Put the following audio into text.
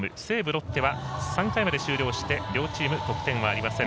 西武、ロッテは３回まで終了して両チーム得点はありません。